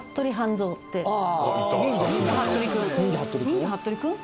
『忍者ハットリくん』。